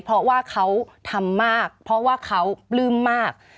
เพราะว่าเขาทำมากเพราะว่าเขาปลื้มมาก